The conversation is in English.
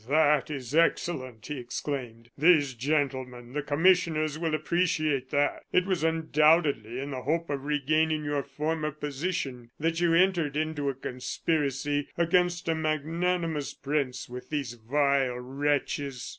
"That is excellent!" he exclaimed. "These gentlemen, the commissioners, will appreciate that. It was, undoubtedly, in the hope of regaining your former position that you entered into a conspiracy against a magnanimous prince with these vile wretches!"